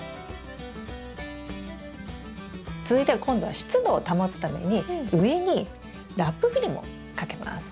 続いては今度は湿度を保つために上にラップフィルムをかけます。